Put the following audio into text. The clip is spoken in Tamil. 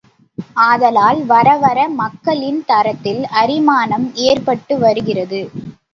ஆதலால் வரவர மக்களின் தரத்தில் அரிமானம் ஏற்பட்டு வருகிறது.